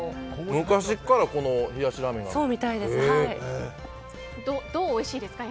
昔から、この冷やしラーメンがあるんですか。